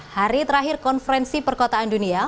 hari terakhir konferensi perkotaan dunia